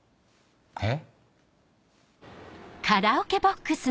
えっ？